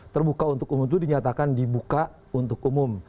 terbuka untuk umum itu dinyatakan dibuka untuk umum